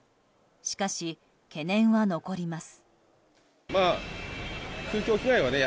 しかし、懸念は残ります。